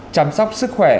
chăm sóc sức khỏe